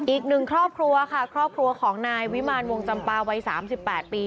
อีกหนึ่งครอบครัวค่ะครอบครัวของนายวิมารวงจำปาวัย๓๘ปี